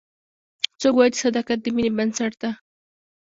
څوک وایي چې صداقت د مینې بنسټ ده